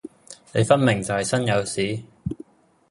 你分明就係身有屎